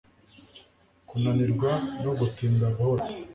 Kunanirwa no gutinda buhoro